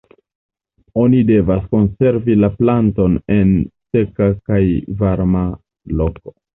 Oni devas konservi la planton en seka kaj varma loko.